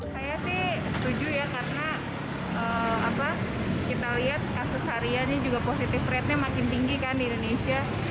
saya sih setuju ya karena kita lihat kasus hariannya juga positive ratenya makin tinggi kan di indonesia